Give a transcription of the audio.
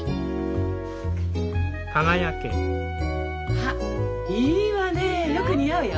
あいいわねよく似合うよ。